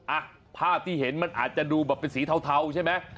อ่ะภาพที่เห็นมันอาจจะดูแบบเป็นสีเทาใช่ไหม